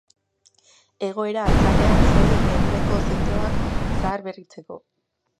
Egoera txarrean zeuden eguneko zentroak zaharberritzeko.